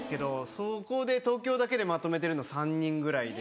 そこで東京だけでまとめてるの３人ぐらいで。